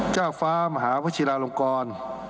เจ้าฟ้ามหาวชิลาลงกร